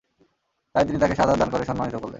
তাই তিনি তাঁকে শাহাদাত দান করে সম্মানিত করলেন।